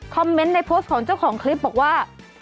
เมนต์ในโพสต์ของเจ้าของคลิปบอกว่า